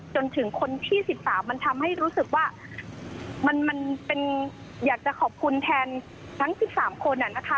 จนถึงคนที่สิบสามมันทำให้รู้สึกว่ามันมันเป็นอยากจะขอบคุณแทนทั้งสิบสามคนอ่ะนะคะ